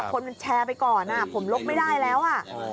คนมันแชร์ไปก่อนผมลบไม่ได้แล้วอ่ะ